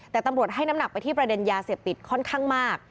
แต่ตำรวจให้น้ำหนักไปที่ประเด็นยาเสพติดค่อนข้างมาก